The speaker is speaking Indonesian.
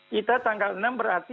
kita tanggal enam berarti